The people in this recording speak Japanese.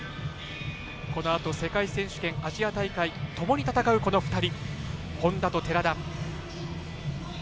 このあと世界選手権アジア大会、ともに戦うこの２人、本多と寺田。